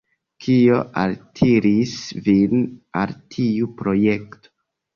Kio altiris vin al tiu projekto?